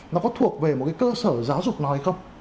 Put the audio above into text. nó có thuộc về một cái cơ sở giáo dục nào hay không